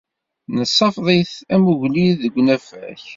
Nessafeḍ-it am ugellid deg unafag.